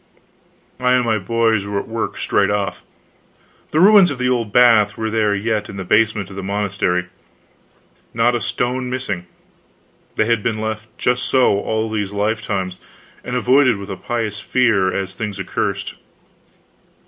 I and my boys were at work, straight off. The ruins of the old bath were there yet in the basement of the monastery, not a stone missing. They had been left just so, all these lifetimes, and avoided with a pious fear, as things accursed.